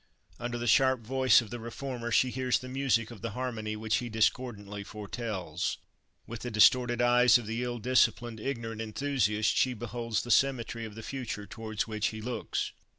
Under the sharp voice of the reformer she hears the music of the harmony which he discordantly foretells. With the distorted eyes of the ill disciplined, ignorant enthusiast she beholds the symmetry of the future towards which he looks.